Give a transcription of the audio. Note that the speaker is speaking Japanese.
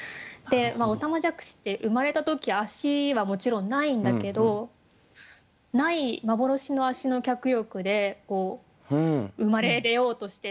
おたまじゃくしって生まれた時脚はもちろんないんだけどない幻の脚の脚力で生まれ出ようとしてる。